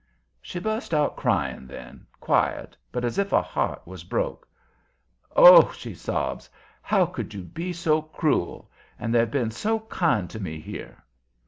She burst out crying then, quiet, but as if her heart was broke. "Oh!" she sobs. "How could you be so cruel! And they've been so kind to me here."